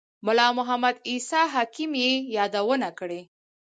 ملا محمد عیسی حکیم یې یادونه کړې.